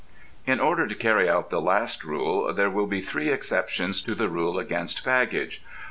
In order to carry out the last rule there will be three exceptions to the rule against baggage.